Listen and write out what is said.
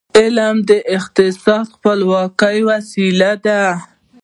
علم د اقتصادي خپلواکی وسیله ده.